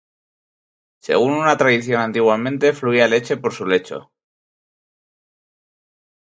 Según una tradición, antiguamente fluía leche por su lecho.